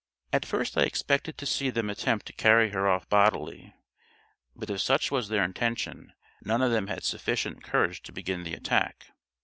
At first I expected to see them attempt to carry her off bodily; but if such was their intention, none of them had sufficient courage to begin the attack.